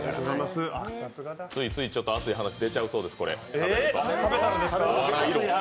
ついつい熱い話出ちゃうそうです、食べると。